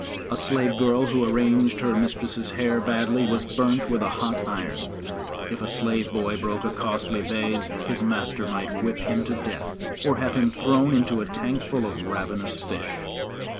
A slave girl who arranged her mistress's hair badly was burnt with a hot iron. If a slave boy broke a costly vase his master might whip him to death, or have him thrown into a tank full of ravenous fish.